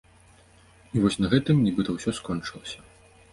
І вось на гэтым нібыта ўсё скончылася.